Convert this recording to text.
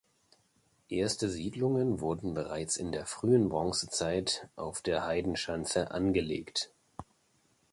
Erste Siedlungen wurden bereits in der frühen Bronzezeit auf der Heidenschanze angelegt.